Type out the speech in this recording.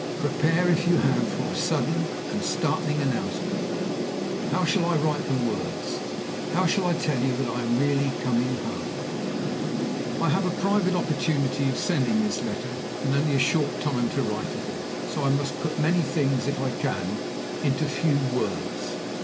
Prepare, if you have, for a sudden and a startling announcement. How shall I write the words? How shall I tell you that I am really coming home? "I have a private opportunity of sending this letter, and only a short time to write it in; so I must put many things, if I can, into few words.